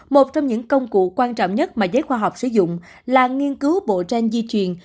một trong những công cụ quan trọng nhất mà giới khoa học sử dụng là nghiên cứu bộ tranh di truyền